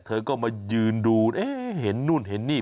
เธอก็มายืนดูเอ๊ะเห็นนู่นเห็นนี่